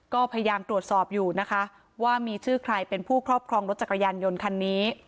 ก็พยายามตรวจสอบอยู่นะคะว่ามีชื่อใครเป็นผู้ครอบครองรถจักรยานยนต์คันนี้